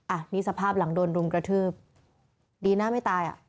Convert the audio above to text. อันนี้สภาพหลังโดนรุมกระทืบดีนะไม่ตายอ่ะ